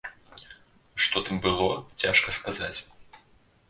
Што тым было, цяжка сказаць.